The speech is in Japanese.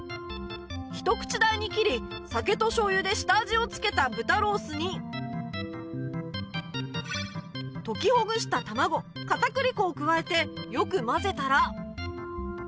ひと口大に切り酒としょう油で下味を付けた豚ロースに溶きほぐした卵片栗粉を加えてよく混ぜたら